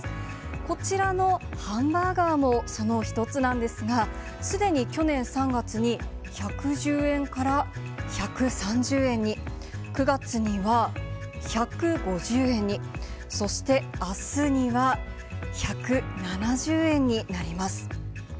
こちらのハンバーガーもその１つなんですが、すでに去年３月に１１０円から１３０円に、９月には１５０円に、そしてあすには１７０円になります。